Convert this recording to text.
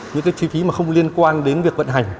những chi phí không liên quan đến việc vận hành